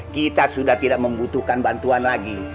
kita sudah tidak membutuhkan bantuan lagi